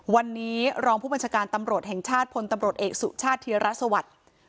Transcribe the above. วันนี้รองผู้บัญชาการตำรวจแห่งชาติพลตำรวจเอกสุชาติธีรสวัสดิ์